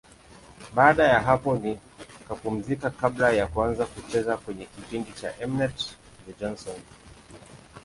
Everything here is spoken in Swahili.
Baada ya hapo nikapumzika kabla ya kuanza kucheza kwenye kipindi cha M-net, The Johnsons.